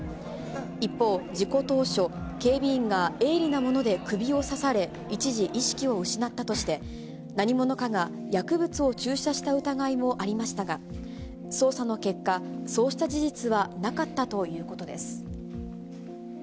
一方、事故当初、警備員が鋭利なもので首を刺され、一時意識を失ったとして、何者かが薬物を注射した疑いもありましたが、捜査の結果、そうした事実はなかったということです。